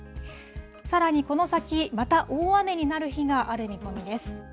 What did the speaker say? さらにこの先、また大雨になる日がある見込みです。